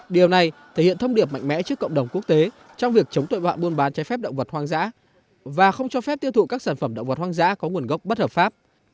điều này thể hiện thông điệp mạnh mẽ trước cộng đồng quốc tế trong việc chống tội phạm buôn bán trái phép động vật hoang dã và không cho phép tiêu thụ các sản phẩm động vật hoang dã có nguồn gốc bất hợp pháp